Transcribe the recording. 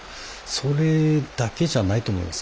それだけじゃないと思います。